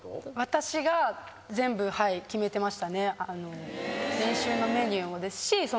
私が全部決めてましたね。